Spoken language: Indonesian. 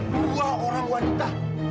dua orang wanita